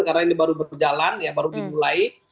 karena ini baru berjalan baru dimulai